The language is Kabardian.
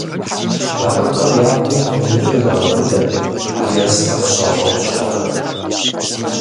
Абыхэм я гум фӀы дыдэу ираубыдэ ерыскъы къыщагъуэт щӀыпӀэхэр.